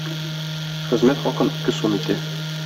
Хезмәт хакын ике сум итә.